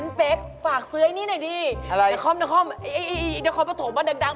น้องข้อมครั้งสอง